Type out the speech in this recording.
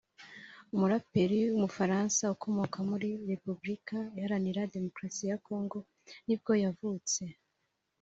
umuraperi w’umufaransa ukomoka muri Repubulika iharanira Demokarasi ya Congo nibwo yavutse